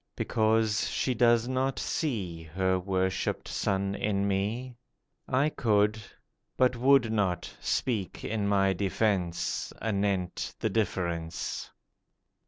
Because she does not see Her worshipped son in me. I could, but would not, speak in my defence, Anent the difference.